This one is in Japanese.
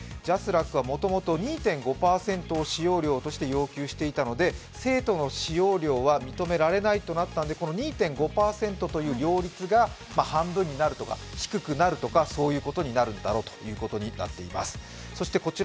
ＪＡＳＲＡＣはもともと２．５％を使用料として要求していたので、生徒の使用料は認められないとなったので、２．５％という料率が半分になるとか低くなるとかいうことになるんだろうとなっています。